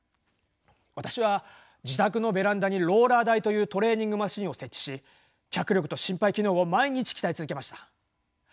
私は自宅のベランダにローラー台というトレーニングマシンを設置し脚力と心肺機能を毎日鍛え続けました。